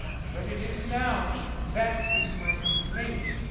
"But it is now; that is my complaint.